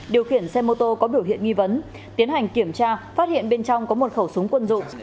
điều khiển xe mô tô có biểu hiện nghi vấn tiến hành kiểm tra phát hiện bên trong có một khẩu súng quân dụng